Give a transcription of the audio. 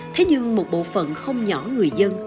thế nhưng một bộ phận không nhỏ người dân